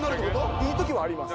いいときはあります。